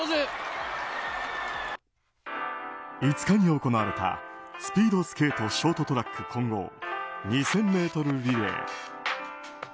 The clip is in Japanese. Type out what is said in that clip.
５日に行われたスピードスケートショートトラック混合２０００ｍリレー。